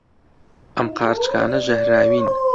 ئەم قارچکانە ژەهراوین.